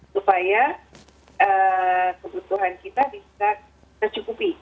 supaya kebutuhan kita bisa tercukupi